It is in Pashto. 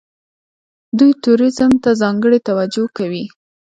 دوی ټوریزم ته ځانګړې توجه کوي.